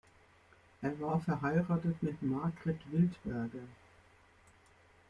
Er war verheiratet mit Margrit Wildberger.